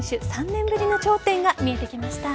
３年ぶりの頂点が見えてきました。